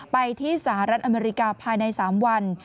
ไปที่สหรัฐอเมริกาภายใน๓วัน